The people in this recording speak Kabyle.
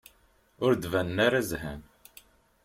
Ur d-ttbanen ara zhan.